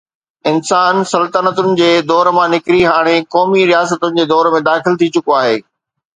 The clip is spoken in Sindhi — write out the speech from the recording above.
انسان سلطنتن جي دور مان نڪري هاڻي قومي رياستن جي دور ۾ داخل ٿي چڪو آهي.